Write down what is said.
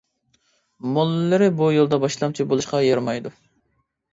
موللىلىرى بۇ يولدا باشلامچى بولۇشقا يارىمايدۇ.